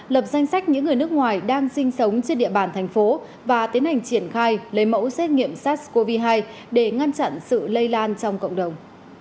lập danh sách những người nước ngoài đang sinh sống trên địa bàn thành phố và tiến hành triển khai lấy mẫu xét nghiệm sars cov hai để ngăn chặn sự lây lan trong cộng đồng